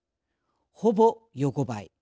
ほぼ横ばい。